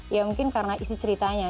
ya mungkin karena isi ceritanya